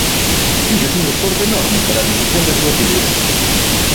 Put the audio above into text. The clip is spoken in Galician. Fíxose un esforzo enorme para a difusión da súa figura.